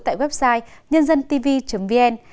tại website nhândantv vn